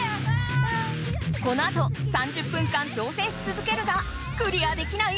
このあと３０分間挑戦しつづけるがクリアできない